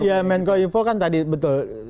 ya menkom info kan tadi betul